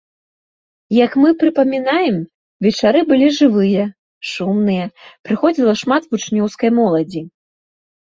Як мы прыпамінаем, вечары былі жывыя, шумныя, прыходзіла шмат вучнёўскай моладзі.